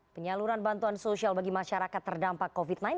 penyaluran bantuan sosial bagi masyarakat terdampak covid sembilan belas